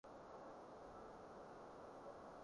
青紅蘿蔔粟米湯